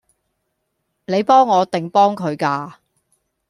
你幫我定幫佢㗎？